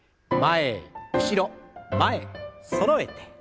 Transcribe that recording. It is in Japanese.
前後ろ前そろえて。